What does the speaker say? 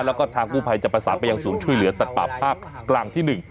แล้วก็ทางผู้ภัยจะประสานไปอย่างสูงช่วยเหลือสัตว์ปราบภาคกลางที่หนึ่ง